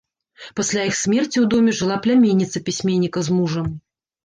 Пасля іх смерці ў доме жыла пляменніца пісьменніка з мужам.